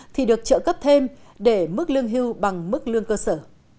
thì được trợ cấp thêm để mức lương hưu bằng mức lương cơ sở